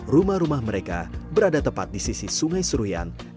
rumah rumah mereka berada tepat di sisi sungai seruyan